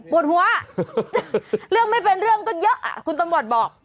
ปวดหัวเรื่องไม่เป็นเรื่องก็เยอะคุณตำรวจบอก